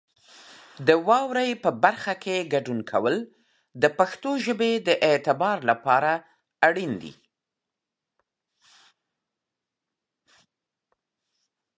د واورئ برخه کې ګډون کول د پښتو ژبې د اعتبار لپاره اړین دي.